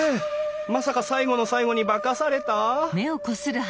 まさか最後の最後に化かされた！？